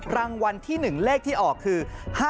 รางวัลที่๑เลขที่ออกคือ๕๗